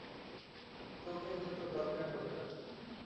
তোকে হয়তো দরকার হবে না।